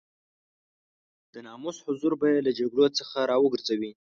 د ناموس حضور به يې له جګړو څخه را وګرځوي.